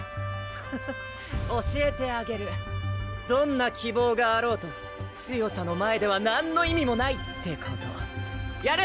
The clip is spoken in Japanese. フフ教えてあげるどんな希望があろうと強さの前では何の意味もないってことやれ！